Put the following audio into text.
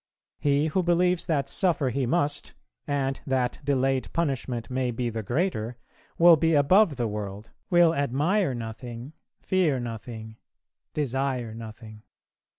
He who believes that suffer he must, and that delayed punishment may be the greater, will be above the world, will admire nothing, fear nothing, desire nothing.